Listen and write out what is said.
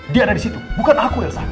dia ada di situ bukan aku elsa